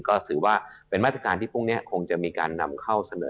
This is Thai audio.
ก็ถือว่าเป็นมาตรการที่พรุ่งนี้คงจะมีการนำเข้าเสนอ